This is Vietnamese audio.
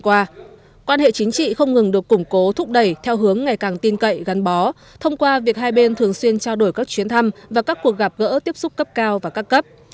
quan hệ chính trị không ngừng được củng cố thúc đẩy theo hướng ngày càng tin cậy gắn bó thông qua việc hai bên thường xuyên trao đổi các chuyến thăm và các cuộc gặp gỡ tiếp xúc cấp cao và các cấp